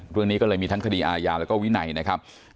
เรื่องนี้ก็เลยมีทั้งคดีอาญาแล้วก็วินัยนะครับ